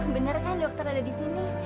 bener kan dokter ada disini